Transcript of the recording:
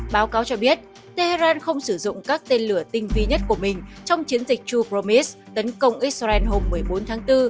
báo cáo cho biết tehran không sử dụng các tên lửa tinh vi nhất của mình trong chiến dịch true romis tấn công israel hôm một mươi bốn tháng bốn